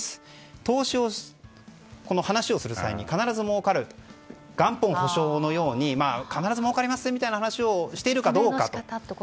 投資の話をする際に必ずもうかる元本保証のように必ずもうかりますという話をしているかどうかと。